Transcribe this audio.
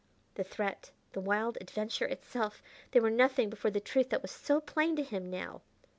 The threat, the wild adventure itself! they were nothing before the truth that was so plain to him now.